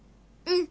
うん！